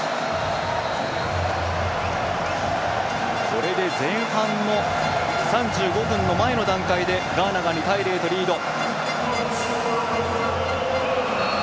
これで前半の３５分の前の段階でガーナが２対０とリード。